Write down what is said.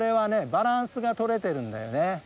バランスが取れてるんだよね。